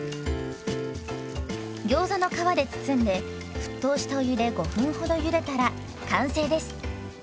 ギョーザの皮で包んで沸騰したお湯で５分ほどゆでたら完成です。